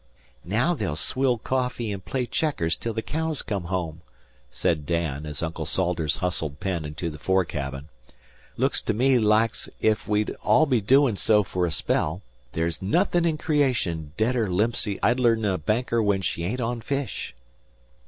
"Now they'll swill coffee an' play checkers till the cows come home," said Dan, as Uncle Salters hustled Penn into the fore cabin. "'Looks to me like's if we'd all be doin' so fer a spell. There's nothin' in creation deader limpsey idler'n a Banker when she ain't on fish."